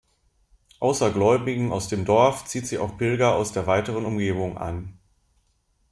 Ausser Gläubigen aus dem Dorf zieht sie auch Pilger aus der weiteren Umgebung an.